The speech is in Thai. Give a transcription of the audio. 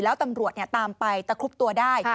แล้วตำรวจตามไปตะครุบตัวได้